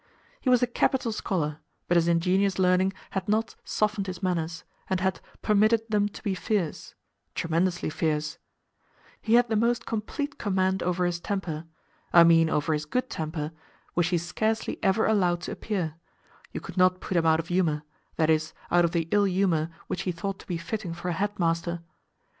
He was a capital scholar, but his ingenuous learning had not "softened his manners" and had "permitted them to be fierce"—tremendously fierce; he had the most complete command over his temper—I mean over his good temper, which he scarcely ever allowed to appear: you could not put him out of humour—that is, out of the ill humour which he thought to be fitting for a head master.